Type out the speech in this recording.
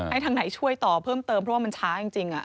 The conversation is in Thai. ให้ทางไหนช่วยต่อเพิ่มเติมเพราะว่ามันช้าจริง